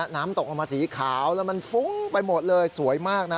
น้ำตกลงมาสีขาวแล้วมันฟุ้งไปหมดเลยสวยมากนะ